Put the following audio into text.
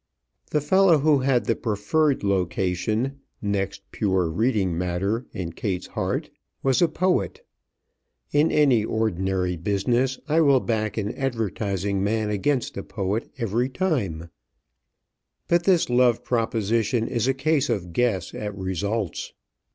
The fellow who had the preferred location next pure reading matter in Kate's heart was a poet. In any ordinary business I will back an advertising man against a poet every time, but this love proposition is a case of guess at results.